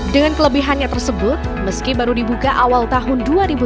dengan kelebihannya tersebut meski baru dibuka awal tahun dua ribu dua puluh